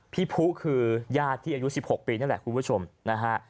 ผู้คือญาติที่อายุ๑๖ปีนี่แหละคุณผู้ชมนะฮะ